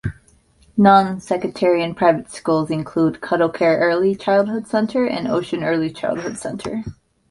Nonsectarian private schools include Cuddle Care Early Childhood Center and Ocean Early Childhood Center.